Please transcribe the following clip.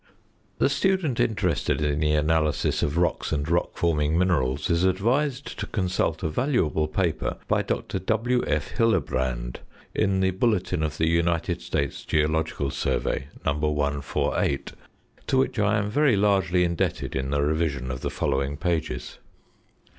The student interested in the analysis of rocks and rock forming minerals is advised to consult a valuable paper by Dr. W.F. Hillebrand in the Bulletin of the United States Geological Survey, No. 148, to which I am very largely indebted in the revision of the following pages.